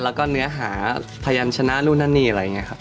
แล้วก็เนื้อหาพยานชนะนู่นนั่นนี่อะไรอย่างนี้ครับ